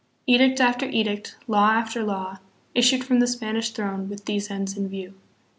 Edict after edict, law after law, issued from the Spanish throne with these ends in view.